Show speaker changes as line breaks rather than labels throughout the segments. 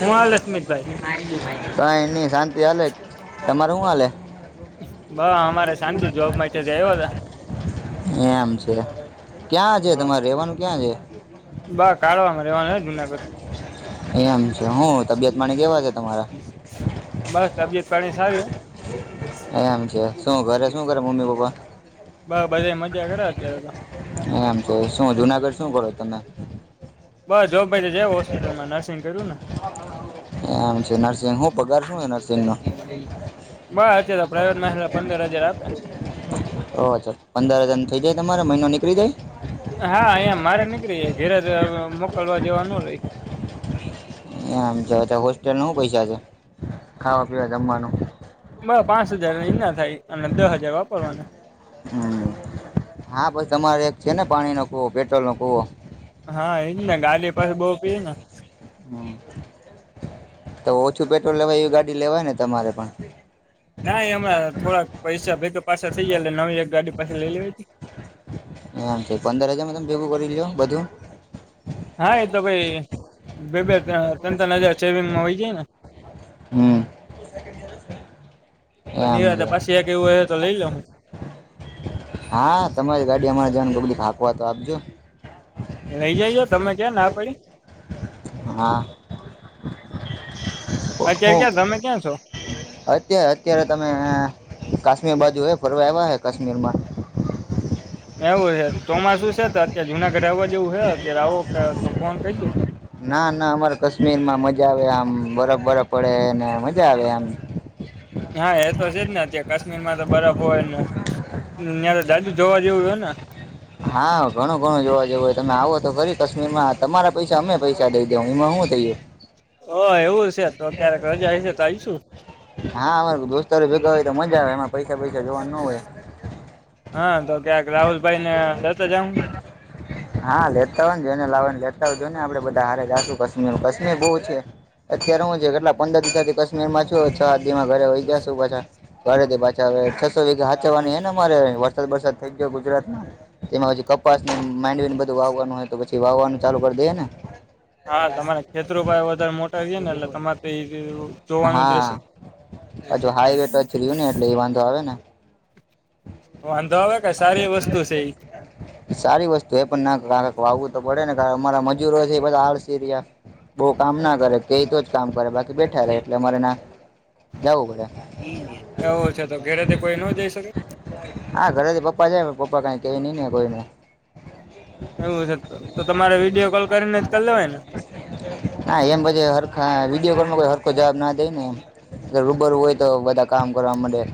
હું હાલે સ્મિતભાઈ
ત એની શાંતિ હાલે તમાર હુ હાલે.
બ અમારે શાંતિ જોબ માટે જ આવ્યો હતા
[unintelligible] એમ છે ક્યાં છે
હા.
તમારે રેવાનું ક્યાં છે?
બા કાઢવામાં રહેવાનું ને જૂનાગઢ.
એમ છે. હું તબિયત પાણી કેવા છે. તમારા
બસ તબિયત પાણી સારી હો
[inaudible] એમ છે શું ઘરે શું કરે મમ્મી પપ્પા?
બ બધા મજા કરે અત્યારે તો.
એમ છે શું જુનાગઢ શું કરો તમે?
બસ જો ભાઈ તો જવ હોસ્પિટલમાં નર્સિંગ કર્યું ને.
શેહુ પગાર? શું છે નર્સિંગનો
બસ અ તો પ્રાઈવેટમાં પંદર હજાર આ
ઓછ પંદર હજાર ન થઇ જાય તમારો મહિનો નીકળી જાય?
હા, અહીંયા મારે નીકળી જાય ઘેરેજ મોકલવા જવાનું રેય.
એમ જવા હોસ્ટેલ ન પૈસા છે ખાવા પીવા જમવાનું.
માં પાંચ હજારની ના થાય અને દસ હજાર વાપરવાના.
હમ્મ હમ્મ, હા પણ તમારે એક છે ને પાણીનો કુવો પેટ્રોલ નો કુવો.
હા, એજને ગાડી પાસે બઉ પીયના.
હમ્મ, તો ઓછું પેટ્રોલ લેવાય એવી ગાડી લેવાયને તમારે પણ.
ના અમે થોડાક પૈસા ભેગા પાછા થઈ જયા એટલે નવી એક ગાડી પાછી લઈ લેવા હતી.
એમ છે પંદર હજારમાં તમે ભેગું કરી લયો બધું.
હા, એતો ભઈ બે બે ત્રણ ત્રણ હજાર સેવિંગમાં હોય છેના.
[unintelligible] એમ
પણ
છે
પાછી એક એવું હો તો લઈ લઉ હું.
હા, તમારે ગાડી અમારે જવા કબલી હાંકવા તો આપજો.
લઈ જજો તમે ક્યાં ના પાડી.
હા.
અત્યારે
હું
ક્યાં તમે ક્યાં છો?
અત્યારે અત્યારે તમે કાશ્મીર બાજુ હ ફરવા આવ્યા હ કાશ્મીર માં.
એવું છે ચોમાસું છે, તો અત્યારે જુનાગઢ રહેવા જેવું હ અત્યારે આવો તો ફોન કજો.
ના ના અમારે કાશ્મીર માં મજા આવે આમ બરફ બરફ પડેને મજા આવે એમ.
હા, એતો છેજ ને અ કાશ્મીરમાં તો બરફ હોય ને ત્યાં તો જાજુ જોવા જેવું હોયને.
હા, ઘણું ઘણું જોવા જેવું હોય તમે આવો તો ફરી કાશ્મીર માં તમારા પૈસા અમે [unintelligible] એમા હુ થયુ.
હ એવું છે તો ક્યારેક રજા આવી છે તો આઈશું.
હા, અરે દોસ્તારો ભેગા હોય તો મજા આવે એમાં પૈસા પૈસા જોવાના હોય.
હા, તો ક્યાક રાહુલ ભાઈને લેતા જાહું.
હા, લેતા હોયને જોઈ ને લાવવા લેતા હોય જો ને આપે બધા હારે જશું કશ્મીર કાશ્મીર બહુ છે. અત્યારે હું છે કેટલા પંદર દ થી કશ્મીરમાં છમાં ઘરે વઈ ગયાું પાછા ઘરે પાછા હ છસો વીગા હચવાની હે રે વરસાદ વરસાદ થઈ ગયો ગુજરાતમાં તેમાં પછી કપાસ માઇન્ડ બધું વાવવાનું હોય તો પછી વાવાનું ચાલુ કરી દેે ને
હા, તમારે ખેતરોપાય વધારે મોટાાય ને એટલે તમારે તો એ જોવાનું જ રહેશે
હ જો હાઈવે ટ જય્યું ને એટલે એ વાંધો આવે ને
વાંધો આવે ક સારી વસ્તુ છે એ.
સારી વસ્તુ એ પણ ના કારક વાવું તો પડે ને કાર અમારા મજૂરો છે બધા હળસી રહ્યા. બઉ કામ ના કરે કે તો જ કામ કરે બાકી બેઠા રહેે એટલે અરે ના જવું પડે.
હ એવું છે તો ઘેરેથી કોઈ ન જઈ શકે.
હા ઘરેથી પપ્પા છે પપ્પા કાઈ કએ નઈ ને કોઈને.
એવું છે તો તમારે વિડીયો કોલ કરીને જ કરી લેવાય ને.
હા એમ પધી હરખા વિડીયો કોલમાં કોઈ હરખો જવાબ ના દે ને એમ. રૂબરુ હોય તો બધા કામ કરવા માટેે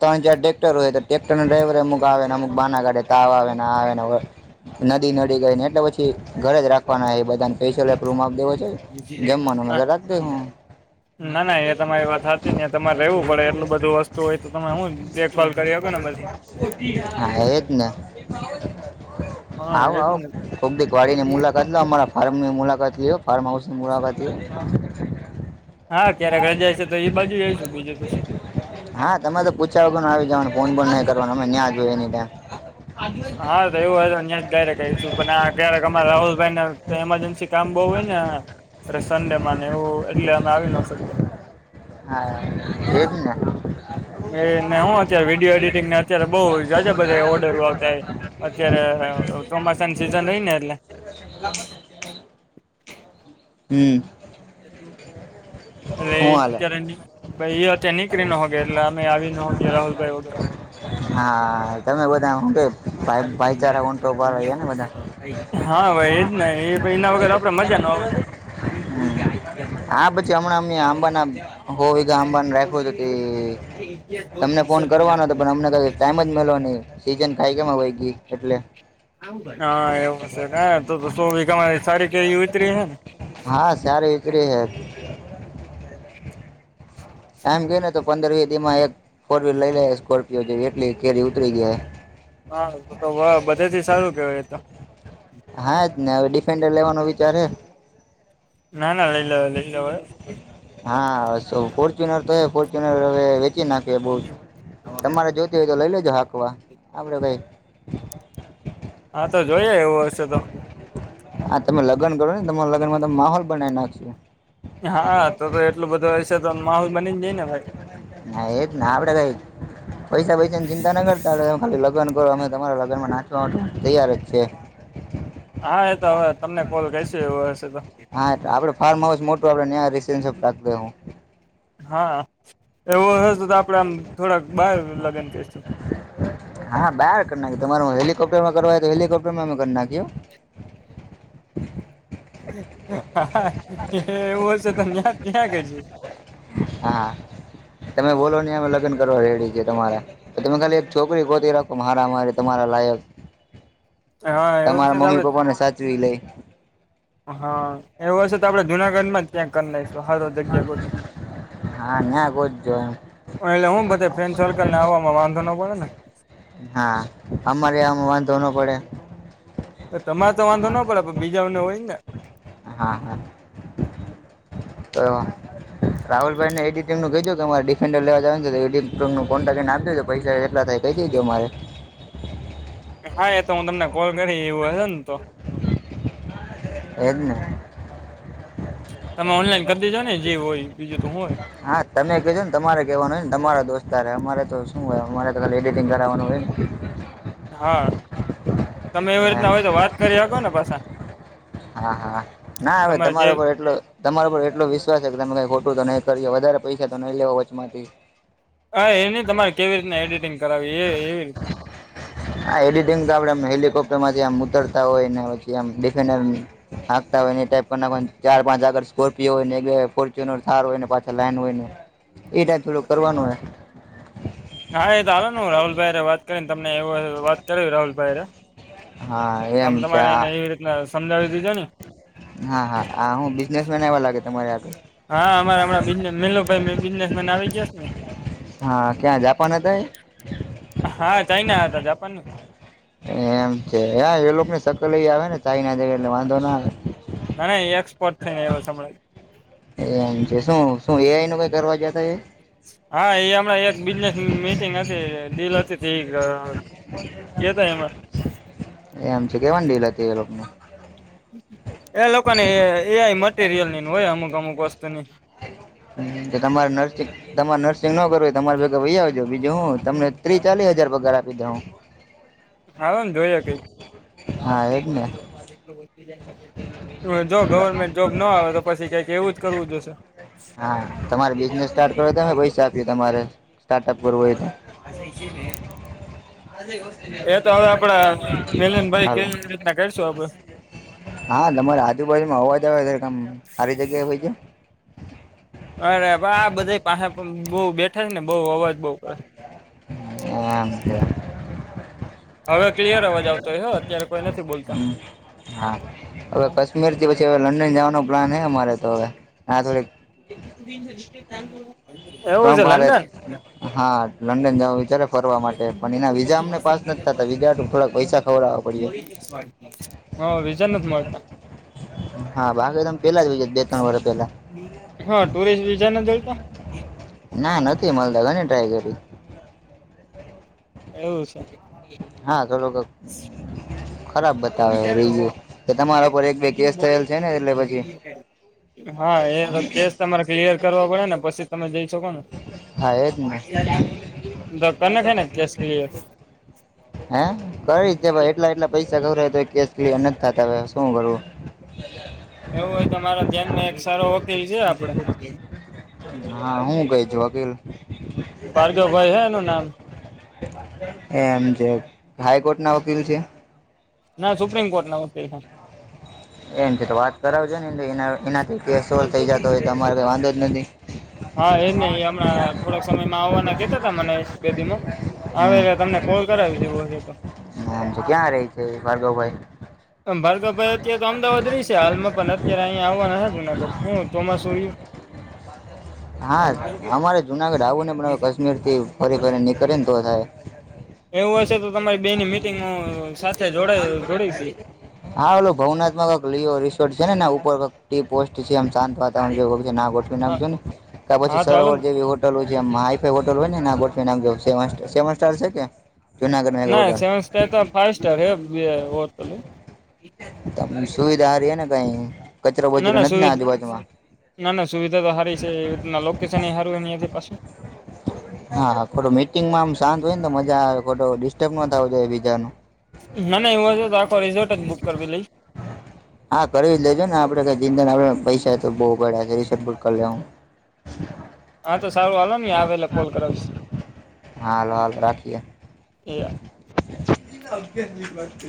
ત્રણ ચાર ટ્રેક્ટર હોય તો ટ્રેક્ટર ના ડ્રાઈવર અમુક આવેને અમુક બાના કાડે તાવ આવે અને આવે હોય. નદી નડી ગઈ ને એટલે પછી ઘરે જ રાખવાના એ બધાને. નિસયલ એપ્રૂમ આપ દેવો છે જમવાનો
હા
રાત્રે દે હું.
ના ના એ તમારી વાત હતી ને તમારે રહેવું પડે એટલું બધું વસ્તુ હોય તો તમે હું દેખભાલ કરી શકોો ને બછી તુતી
હા એજ ને
હા
આવો
એજ
આવો
ને
કોકી વાડીને મુલા ટલો અમારા ફાર્મની મુલાકાત લીયો ફાર્મ હાઉસની મુલાકાત.
હા ક્યારેક રજાય છે તો એ બાજુ જઈશું બીજું તો પછી.
હા તમે તો પૂછાવ કો આવી જવાનો ફોન પણ નઈં કરવાનો અમે ન્યાં જોયએ એની ટાઈમ.
હા તો એવું અ્યાં જ ડાયરેકશું પણ આ ક્યારેક અ રાહુલભાઈને એમરજન્સી. કામ બઉુ હોય ને અ સન્ડે માં ને એવું એટલે અમે આવીને
હા એજને
મેને હું અત્યારે વિડીયો એડિટિંગને અત્યારે બઉુ જાજા બધા ઓર્ડરો આવતા. અત્યારે ચોમાસાની સિઝન રય ને એટલે.
હમ.
એટલે
હું
એ
હાલે
અત્યારે એ અત નીકળી ન હોગે એટલે અમે આવી ન હોગયા રાહુલભાઈ વગર.
હા તમે બધા હું કે ભાઈ ભાઈચારા ઊંટો પર રહ્યા ને બધા
હા ભાઈ એજ એના વગર આપડે મજા ન આવે.
હા હમણાં અમને આંબા હોા આંબાને રાખો છ કે. તમને ફોન કરવાનો હતો પણ અમને ક ટાઈમ જ મેલો નહી સીઝન ખાઈ કેમાં હોય ગય એટલે.
હા એવું છે તો શ ભીરી સારી કેવી ઉતરી હ ને
હા સારી ઈકરી હ.
[inaudible]
એમ કઈને તો પંદર વી દી માં એક ફોર વ્હીલ લઈ લે સ્કોર્પિયો જે એટલી કેરી ઉતરી ગયા.
હા તો બધેથી સારું કેવાય તો.
હા જ ને હવે ડિફેન્ડર લેવાનો વિચાર હ.
ના ના લઈ લ લઈ લવા.
હા ફોર્ચ્યુનર તો ફોર્ચ્યુનર હવે વેચી નાખ્યું બ તમારે જો. તો લઈ લ જવાકોવા આપરે ભાઈ.
હા તો જોઈએ એવું હશે તો.
હા તમે લગ્ન કરો ને તમારા લગનમાંમે માહોલ બનાવી નાખો.
હા તો તો એટલું બધું વશે તો માહોલ બનીને જાય ને ભાઈ.
ના એજ ના આપડે કઈ. પૈસા પૈસા ની ચિંતા ના કરતાડ ખાલી લગ્ન કરો અમે તમારા લગ્નમાં નાચવા માટે તૈયાર જ છે.
હા એ તો હવે તમને કોલ કરીશું એવું હશે તો.
હા આપે ફાર્મ હાઉ મોટું આપણે રીપસેસન રાખી દે હું.
હા એવો હશે તો આપડે આમ થોડાક બાર લગ્ન કરીશું.
હા બાર કરી નાખી તમાર હેલિકોપ્ટર માં કરવાય તો હેલિકોપ્ટર માં અમે કરી નાખ્યું
હા હા એવું હેવું છે ત્યા ત્યાં કરશુ.
હા. તમે બોલો નહી અમે લગ્ન કરવા રેડી છે તમારા. કે તમે ખાલી એક છોકરી ગોતી રાખો મારા મારી તમારા લાયક.
હા એવું
તમારા
હશે તો
મમ્મી
આપડે
પપ્પા ને સાચવી લેય.
હા એવું હશે તો આપણેે જુનાગઢમાં જ ત્યાં કર નાઈખશું હારો જગ્યા ગોતીન.
હા ન્યાં ગોતજો એમ.
એટલે હું બધે ફ્રેન્ડ સર્કલ ને આવવામાં વાંધો ન પડે ને.
હા. અમારે આવવામાં વાંધો નો પડે.
એતમારે તો વાંધો નો પડે, પણ બીજાવને હોય ને.
હા, હા. તો રાહુલભાઈ ને એડિટીંગનું કેજો કે મારે ડિફેન્ડર લેવા જાવાની ને તો એડિટરનું કોન્ટ્રાક્ટ એને આપ દેજો, પૈસાય એટલા થાય કહી દેજો મારે.
હા એ તો હું તમને કોલ કરી એવું હશે ને તો.
એજ ને.
તમે ઓનલાઈન કર દેજો ને જે હોય ઈ, બીજું તો હું હોય.
હા. તમે કેજો ને તમારે કહેવાનું હોય ને, તમારો દોસ્તાર હે, અમારે તો શું હોય, અમારે તો ખાલી એડિટિંગ કરાવવાનું હોય ને.
હા. તમે એવી રીતના હોય તો
ને
વાત કરી હકો ને પાછા.
હા, હા, ના હવે
તમારે જે
તમારો ઉપર એટલો તમારા ઉપર એટલો વિશ્વાસ હે કે તમે કાઈ ખોટું તો નહીં કર્યો, વધારે પૈસા તો નહીં લેવો વચમાંથી.
હા એની તમારે કેવી રીતના એડિટિંગ કરાવવી એ એવી રીતના
હા, એડિટિંગ તો આપડે આમ હેલિકોપ્ટર માંથી આમ ઉતરતા હોય, ને પછી આમ ડિફેન્ડરની હાકતા હોય ને ઈ ટાઈપ કર નાખોન, ચાર પાંચ આગળ સ્કોર્પિયો હોય, ને એક બે ફોર્ચ્યુનર થાર હોય ને પાછળ લાઈન હોય ને. એ ટાઈપનું [unintelligible] કરવાનું હે.
હા એ તો હાલો ને હું રાહુલભાઈ હારે વાત કરીને તમને એવું હશે તો વાત કરાવી રાહુલભાઈ હારે.
હા
તમ
એમ છે
તમારે એને
હા
એવી રીતના સમજાવી દેજો ને.
હા, હા, આ હું બિઝનેસમેન આયવા લાગે તમારે હાટું.
હા અમારે હમણાં [unintelligible] બિઝનેસમેન આવી ગયા સ ને.
હા ક્યાં જાપાન હતા
હા ચાઈના હતા, જાપાન નહીં.
એમ છે. ના એ લોક ની શકલ એય આવે ને ચાઈના જેવી એટલે વાંધો નો આવે.
ના એ એક્સપર્ટ થઈ ને આયવોસ હમણાં.
એમ છે. શું-શું એ આઈ નું કાઈ ગયા તા એ?
હા, એ હમણાં એક બિઝનેસ મિટિંગ હતી, ડીલ હતી તો ઈ કરવા
એમ છે. કેવાની ડીલ હતી એ લોક ને?
એ લોકો ને એ આઈ મટીરિયલ નીન હોય અમુક-અમુક વસ્તુની.
હમ્મ, તો તમારે [unintelligible] તમારે નર્સિંગ ન કરવું હોય તો અમાર ભેગા વઈ આવજો બીજું હું, તમને ત્રી ચાલી હજાર પગાર આપી દેહું.
હાલોન જોઈએ કંઈક.
હા એજ ને
જો ગવર્મેન્ટ જોબ નો આવે તો પસી કંઈક એવું જ કરવું જોશે.
હા. તમારે બિઝનેસ સ્ટાર્ટ કરવો હોય તોય અમે પૈસા આપીએ તમારે, સ્ટાર્ટઅપ કરવું હોય તો.
એ તો હવે આપડા
હાલો
મિલનભાઈ [inaudible] રીતના કરશું આપણે.
હા તમારે આજુબાજુમાં અવાજ આવે જીરીક આમ હારી જગ્યાએ વઈ જાવ.
અરે બા આ બધા પાહે પણ બહુ બેઠા હે ને બહુ અવાજ બઉ કરે.
એમ સે.
હવે ક્લિયર અવાજ આવતો હશે હો, અત્યારે કોઈ નથી બોલતા.
હા. હવે કશ્મીર થી પછી હવે લંડન જવાનો પ્લાન હે અમારે તો હવે, ન્યાં થોડીક
[inaudible]
[unintelligible]
છે
ભારત,
લંડન
હા લંડન જાવાનો વિચાર હે. ફરવા માટે, પણ એના વિઝા અમને પાસ નથી થાતા, વિઝા માટે થોડાક પૈસા ખવડાવવા પડ્યા.
હા વિઝા નથ મળતા.
[inaudible] હા બાકી એદમ પેલા જ બે ત્રણ વર્ષ પેલા
હા ટુરિસ્ટ વિઝા નથી મળતા
ના નથી અ મળતા ઘણી ટ્રાય કરી
એવું છે
હા ચલો ખરાબ બતાવે રીજું કે તમારા પર એક બે કેસ થયેલ છે ને એટલે પછી
હા એ તો કેસ તમારે ક્લિયર કરવા પડે ને પછી તમે જઈ શકોને
હા એજ ને
કરનાખાઈ ને કેસ કીલિયર
હે કરી જ દેવાઈ એટલા એટલા પૈસા ખવડાવ્યા તો યે કેસ કીલયર નથી થતા હ શું કરવું
એવું હોય તો તમારા ધ્યાન માં એક સારો વકીલ છે આપડે
હા હું કે છે વકીલ
ભાર્ગવ ભાઈ હે એનું નામ
એમ જે હાઈકોર્ટ ના વકીલ છે
ના સુપ્રીમ કોર્ટ ના વકીલ છે
એમ છે તો વાત કરાવજો ને એનાથી કેસ સોલ્ થઈ જતો હોય તો અમારેઈ વાંધો જ નથી
હા એ ન હમણાં થોડાક સમયમાં આવવાના કતા હતા મને બેદીમ હ
હમ
એટલે તમને કોલ કરાવીશી એવું હશે તો
નામ છે કે્યાં રહે છે ભાર્ગવ ભાઈ
ભારગવભાઈ અત્યારે તો અમદાવાદ રહે છે હાલમાં પણ અત્યારે અહીંયા આવવાના જુનાગઢ હું ચોમાસું રહયું
હા અમારે જુનાગઢ આવું ને પણવે કાશ્મીર થી ફરી ફરી નીકળે ને તો થાય
એવું હશે તો તમારી બેની મીટિંગો સાથે જોડ જોડી
હા ઓલો ભાવનાથ માં ક લેયો રિસોર્ટ છે ને ઉપર ટી પોસ્ટ છે એમ શાંત વા [unintelligible] ના ગોઠવીને
હા હા
પછી
તો હાલો
સરોવર
ને.
જેવી હોટલો છે જયા માંય હોટલ હોય ને ના ગોઠવી નાખજો સેવન સ્ટાર છે કે જુનાગઢમાં એક
ના
હોટલ
સેવન સ્ટાર તો ફાઈ સ્ટાર હ હોટલું
તમને સુવિધા હારી ને કઈ કચરો
ના
બચરો
ના સુ
નથી ને આજુબાજુમાં
ના ના સુવિધા તો હારી છે લોકેશન એ હારું એમનીજ પાછું
હા મીટિંગમાં આમ શાંત હોય ને તો મજા આવે ખોતો ડિસ્ટર્બ ના થવું જોયે બીજા નુ
ના ના એવું હ તો આખો રિસોટ જ બુક કરવી લઈ
હા કરી લેજો ને આપડ કઈ જિંદ આપડ પૈસા તો બહુ ગડ્યા છે રિ કરી લે હું હ
હા તો સારું હાલો ને એ આવે એટલ કોલ કરાવીશ
હાલો અગિયાર ની વાત